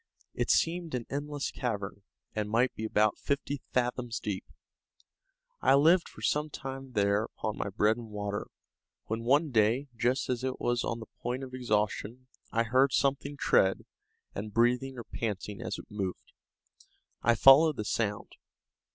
It seemed an endless cavern, and might be about fifty fathoms deep. I lived for some time there upon my bread and water, when one day, just as it was on the point of exhaustion, I heard something tread, and breathing or panting as it moved. I followed the sound.